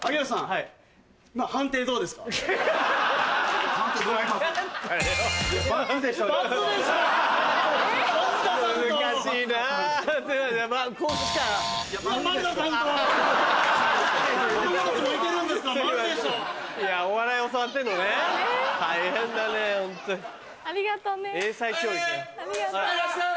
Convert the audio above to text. はいいらっしゃい！